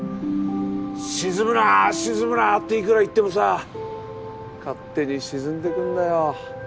沈むな沈むな！っていくら言ってもさ勝手に沈んでくんだよ。